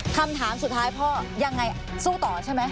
คำถามสุดท้ายพ่อยังไงสู้ต่อใช่ไหม